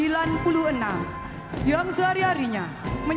lulusan akademi militer tahun dua ribu satu